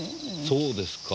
そうですか。